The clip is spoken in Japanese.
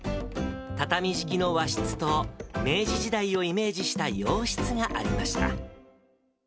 畳敷きの和室と明治時代をイメージした洋室がありました。